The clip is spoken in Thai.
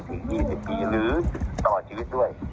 อัตราโทษจะพุ่ง๘๒๐ปีหรือปร่อยชีวิตด้วย